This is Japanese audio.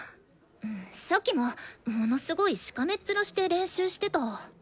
さっきもものすごいしかめっ面して練習してた。